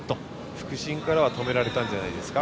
副審から止められたんじゃないんですか。